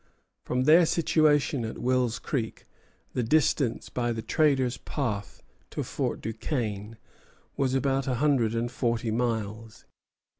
From their station at Wills Creek, the distance by the traders' path to Fort Duquesne was about a hundred and forty miles.